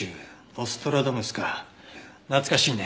ノストラダムスか懐かしいね。